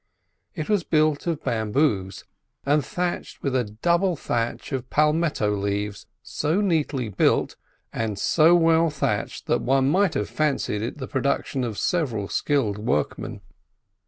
It was built of bamboos, and thatched with a double thatch of palmetto leaves, so neatly built, and so well thatched, that one might have fancied it the production of several skilled workmen.